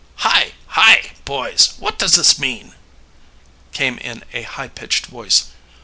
"Hi! hi! boys, what does this mean?" came in a high pitched voice.